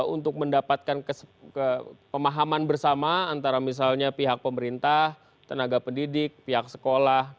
untuk mendapatkan pemahaman bersama antara misalnya pihak pemerintah tenaga pendidik pihak sekolah